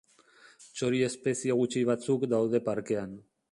Txori espezie gutxi batzuk daude parkean.